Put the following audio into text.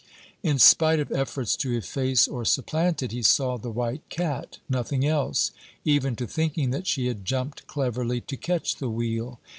In spite of efforts to efface or supplant it, he saw the white cat, nothing else, even to thinking that she had jumped cleverly to catch the wheel.